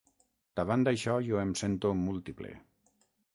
Davant d'això jo em sento múltiple.